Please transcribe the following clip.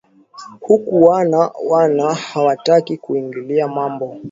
haku wana wana hawataki kuingilia mambo